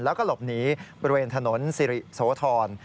แล้วก็หลบหนีบริเวณถนนสิริโสธร